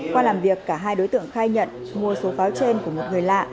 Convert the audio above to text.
qua làm việc cả hai đối tượng khai nhận mua số pháo trên của một người lạ